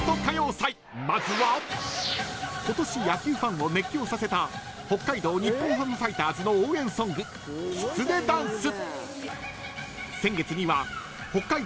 今年、野球ファンを熱狂させた北海道日本ハムファイターズの応援ソング、きつねダンス。